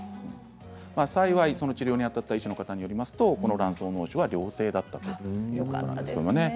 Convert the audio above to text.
幸いその治療にあたった医師の方によるとこの卵巣のう腫は良性だったということです。